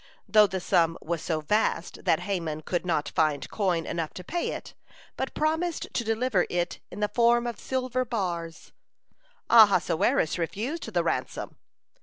Though the sum was so vast that Haman could not find coin enough to pay it, but promised to deliver it in the form of silver bars, Ahasuerus refused the ransom.